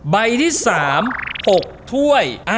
ใบที่สาม๖ถ้วย